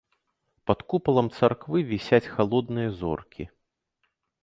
Над купалам царквы вісяць халодныя зоркі.